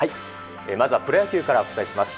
まずはプロ野球からお伝えします。